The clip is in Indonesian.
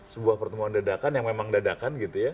sebuah pertemuan dadakan yang memang dadakan